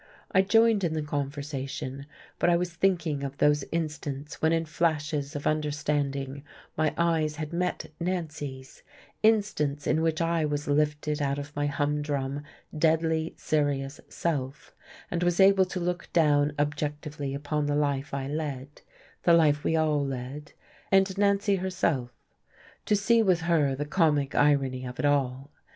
I joined in the conversation, but I was thinking of those instants when in flashes of understanding my eyes had met Nancy's; instants in which I was lifted out of my humdrum, deadly serious self and was able to look down objectively upon the life I led, the life we all led and Nancy herself; to see with her the comic irony of it all.